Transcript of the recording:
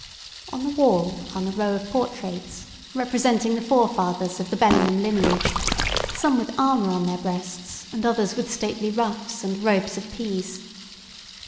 On the wall hung a row of portraits, representing the forefathers of the Bellingham lineage, some with armour on their breasts, and others with stately ruffs and robes of peace.